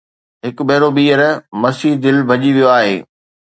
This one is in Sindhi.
هڪ ڀيرو ٻيهر، مسيح دل ڀڄي ويو آهي